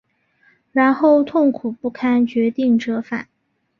然后痛苦不堪决定折返